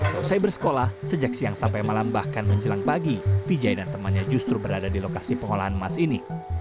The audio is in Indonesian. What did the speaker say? selesai bersekolah sejak siang sampai malam bahkan menjelang pagi vijay dan temannya justru berada di lokasi pengolahan emas ini